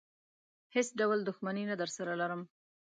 هېڅ ډول دښمني نه درسره لرم.